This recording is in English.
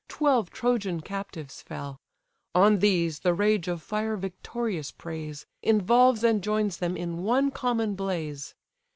twelve Trojan captives fell. On these the rage of fire victorious preys, Involves and joins them in one common blaze.